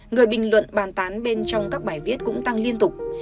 người bình luận bàn tán bên trong các bài viết cũng tăng liên tục